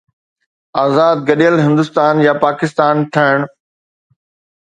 آزاد گڏيل هندستان يا پاڪستان ٺهڻ؟